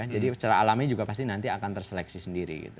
jadi secara alamnya juga pasti nanti akan terseleksi sendiri